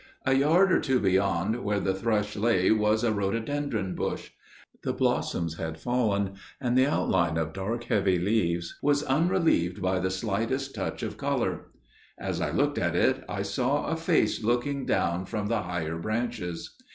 A yard or two beyond where the thrush lay was a rhododendron bush. The blossoms had fallen and the outline of dark, heavy leaves was unrelieved by the slightest touch of colour. As I looked at it, I saw a face looking down from the higher branches.